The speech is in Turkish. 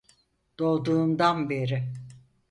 Doğduğumdan beri.